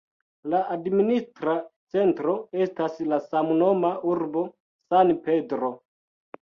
La administra centro estas la samnoma urbo San Pedro.